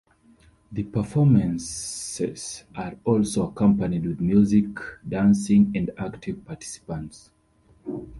The performances are also accompanied with music, dancing, and active participants.